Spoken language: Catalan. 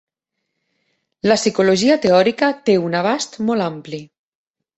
La psicologia teòrica té un abast molt ampli.